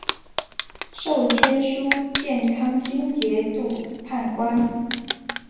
授签书建康军节度判官。